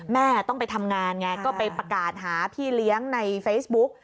แม่ต้องไปทำงานไงก็ไปประกาศหาพี่เลี้ยงในเฟซบุ๊ก